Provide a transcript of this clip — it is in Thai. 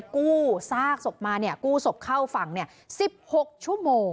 กู้ซากศพมากู้ศพเข้าฝั่ง๑๖ชั่วโมง